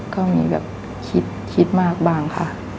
ก็มีแบบคิดคิดมากบ้างค่ะ